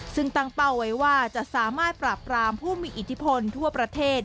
ซึ่งตั้งเป้าไว้ว่าจะสามารถปราบรามผู้มีอิทธิพลทั่วประเทศ